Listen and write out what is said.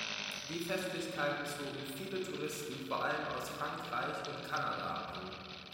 Die Festlichkeiten zogen viele Touristen, vor allem aus Frankreich und Kanada, an.